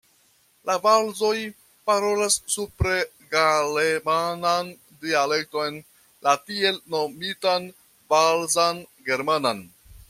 La valzoj parolas supregalemanan dialekton, la tiel nomitan valzan germanan.